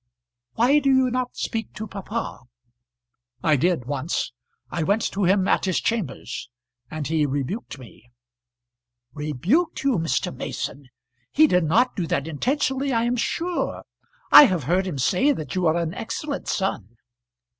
"Why do you not speak to papa?" "I did once. I went to him at his chambers, and he rebuked me." "Rebuked you, Mr. Mason! He did not do that intentionally I am sure. I have heard him say that you are an excellent son."